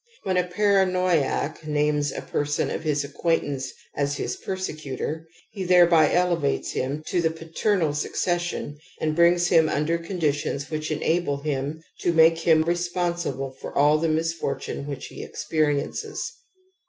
When a paranoiac names a per son of his acquaintance as his ' persecutor ', he > 86 TOTEM AND TABOO thereby elevates him to the paternal succession and brings him under conditions which enable him to make him responsible for all the misfor tune ^hich he experiences.